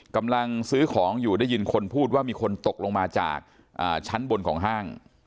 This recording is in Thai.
กำลังซื้อของอยู่ได้ยินคนพูดว่ามีคนตกลงมาจากชั้นบนของห้าง